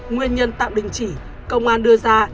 nguyên nhân tạm đình chỉ công an đưa ra